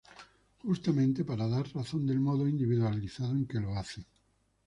Justamente para dar razón del modo individualizado en que lo hacen.